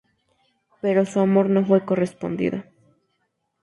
Pero su amor no fue correspondido.